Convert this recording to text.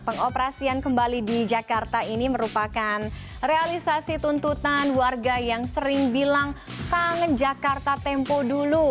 pengoperasian kembali di jakarta ini merupakan realisasi tuntutan warga yang sering bilang kangen jakarta tempo dulu